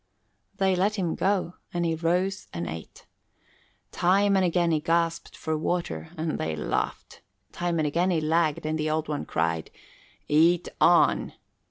They let him go and he rose and ate. Time and again he gasped for water and they laughed; time and again he lagged and the Old One cried, "Eat on!"